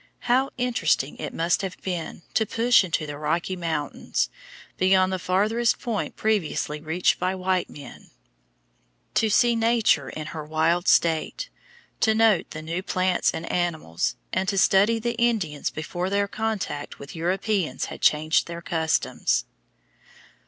How interesting it must have been to push into the Rocky Mountains, beyond the farthest point previously reached by white men; to see Nature in her wild state, to note the new plants and animals, and to study the Indians before their contact with Europeans had changed their customs!